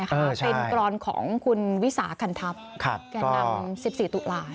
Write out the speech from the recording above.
เป็นกรอนของคุณวิสาขันทัพแก่นำ๑๔ตุลา